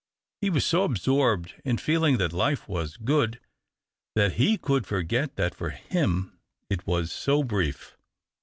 He was so absorbed in feeling that life was o'ood that he could foroet that for him it was so brief.